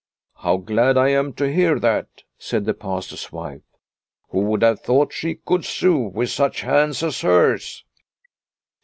" How glad I am to hear that," said the Pastor's wife. " Who would have thought she could sew with such hands as hers